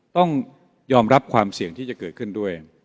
ต้องยอมรับความเสี่ยงที่จะเกิดขึ้นด้วย